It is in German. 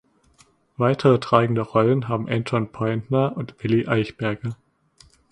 Weitere tragende Rollen haben Anton Pointner und Willy Eichberger.